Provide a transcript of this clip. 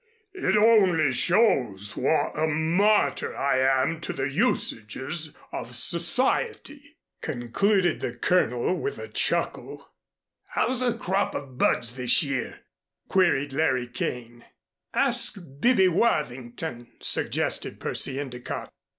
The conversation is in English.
"It only shows what a martyr I am to the usages of society," concluded the Colonel with a chuckle. "How's the crop of buds this year?" queried Larry Kane. "Ask 'Bibby' Worthington," suggested Percy Endicott.